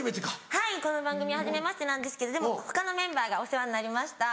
はいこの番組ははじめましてなんですけどでも他のメンバーがお世話になりました。